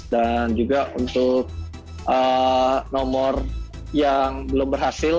dan juga untuk nomor yang belum berhasil